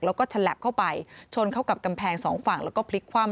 แล้วก็ฉลับเข้าไปชนเข้ากับกำแพงสองฝั่งแล้วก็พลิกคว่ำ